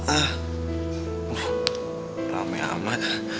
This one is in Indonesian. ah rame amat